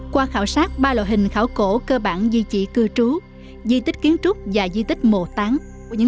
qua khảo sát ba loại hình khảo cổ cơ bản di trị cư trú di tích kiến trúc và di tích mộ tán của những